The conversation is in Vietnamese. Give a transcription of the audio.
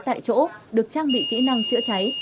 tại chỗ được trang bị kỹ năng chữa cháy